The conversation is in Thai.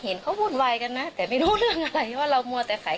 ก็อยากจะไปทำอะไรไม่ดีหรือเปล่าก็อยากจะไปทำอะไรไม่ดีหรือเปล่า